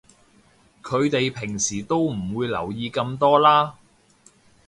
佢哋平時都唔會留意咁多啦